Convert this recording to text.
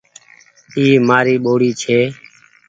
اي مآري ٻوڙي ڇي